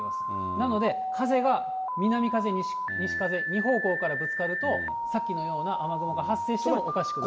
なので、風が南風、西風、２方向からぶつかると、さっきのような雨雲が発生してもおかしくない。